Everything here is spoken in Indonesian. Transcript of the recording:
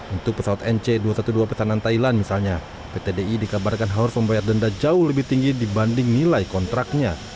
untuk pesawat nc dua ratus dua belas pesanan thailand misalnya pt di dikabarkan harus membayar denda jauh lebih tinggi dibanding nilai kontraknya